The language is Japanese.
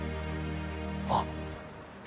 あっ。